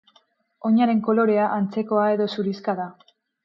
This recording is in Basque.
Oinaren kolorea antzekoa edo zurixka da.